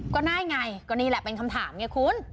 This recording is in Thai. ก็น่าอย่างไรก็นี่แหละเป็นคำถามไงคุณ